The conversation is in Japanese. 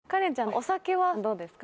お酒はどうですか？